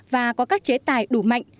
và có các chế tài đủ mạnh